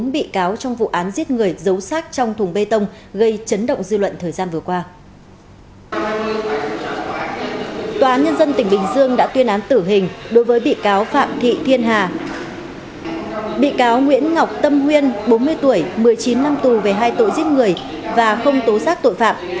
bị cáo nguyễn ngọc tâm huyên bốn mươi tuổi một mươi chín năm tù về hai tội giết người và không tố giác tội phạm